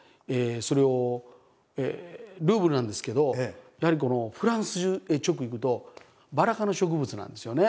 それをルーブルなんですけどやはりフランスへ直行くとバラ科の植物なんですよね桜って。